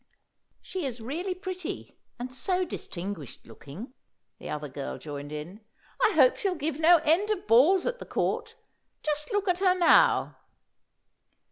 "She is really pretty, and so distinguished looking," the other girl joined in. "I hope she'll give no end of balls at the Court. Just look at her now!"